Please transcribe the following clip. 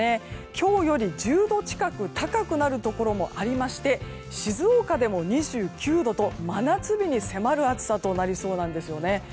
今日より１０度近く高くなるところもありまして静岡でも２９度と真夏日に迫る暑さとなりそうなんですよね。